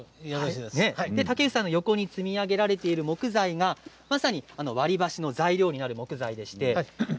竹内さんの横に積み上げられている木材がまさに割り箸の材料になる木材です。